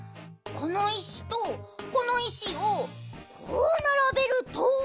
この石とこの石をこうならべると。